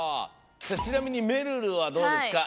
ちなみにめるるはどうですか？